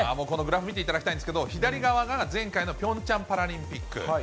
このグラフ見ていただきたいんですけど、左側が前回のピョンチャンパラリンピック。